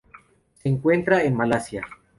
Se encuentra en Malasia.